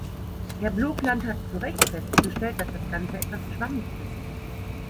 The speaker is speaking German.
Herr Blokland hat zu Recht festgestellt, dass das Ganze etwas schwammig ist.